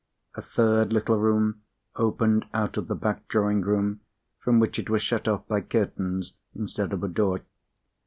A third little room opened out of the back drawing room, from which it was shut off by curtains instead of a door.